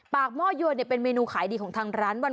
หม้อยวนเป็นเมนูขายดีของทางร้านวัน